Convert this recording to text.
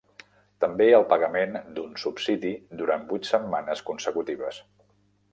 També el pagament d’un subsidi durant vuit setmanes consecutives.